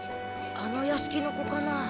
あの屋敷の子かなぁ。